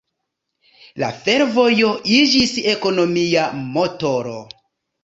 La fervojo iĝis ekonomia motoro.